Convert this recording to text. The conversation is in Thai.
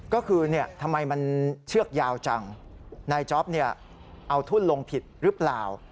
ก็คือทำไมมันเชือกยาวจังนายจ๊อปเอาทุ่นลงผิดหรือเปล่า